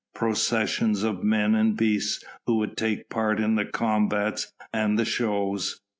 Processions of men and beasts who would take part in the combats and the shows.